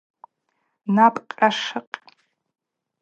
Напӏкъашыкъ.